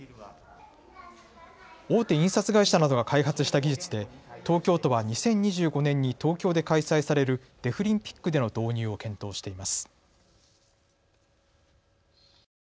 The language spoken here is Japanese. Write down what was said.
大手印刷会社などが開発した技術で東京都は２０２５年に東京で開催されるデフリンピックでの導入を検討しています。